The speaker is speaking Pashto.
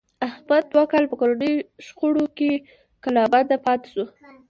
احمد دوه کاله په کورنیو شخړو کې کلا بند پاتې شو.